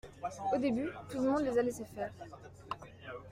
Au début, tout le monde les a laissé faire.